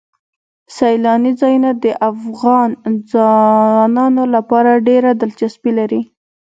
سیلاني ځایونه د افغان ځوانانو لپاره ډېره دلچسپي لري.